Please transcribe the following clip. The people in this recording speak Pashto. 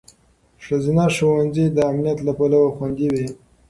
ښځینه ښوونځي د امنیت له پلوه خوندي وي.